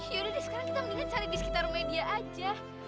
yaudah deh sekarang kita mendingan cari di sekitar media aja